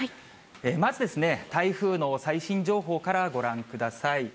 まず台風の最新情報からご覧ください。